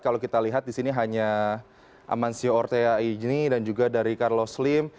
kalau kita lihat di sini hanya amancio ortega ini dan juga dari carlos slim